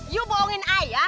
you bohongin i ya